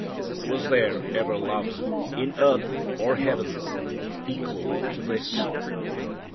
"Was there ever love, In earth or heaven, equal to this?"